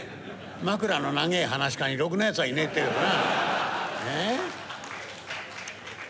まくらの長ぇ噺家にろくなやつはいねえっていうからな」。